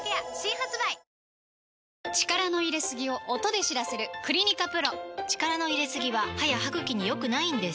力の入れすぎを音で知らせる「クリニカＰＲＯ」力の入れすぎは歯や歯ぐきに良くないんです